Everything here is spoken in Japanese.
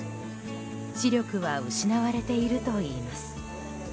視力は失われているといいます。